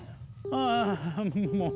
あぁもう。